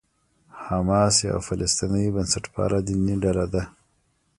حماس یوه فلسطیني بنسټپاله دیني ډله ده.